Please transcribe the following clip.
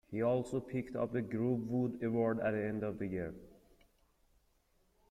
He also picked up a Grovewood Award at the end of the year.